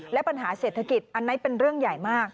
และปัญหาเศรษฐกิจอันนั้นเป็นเรื่องใหญ่มาก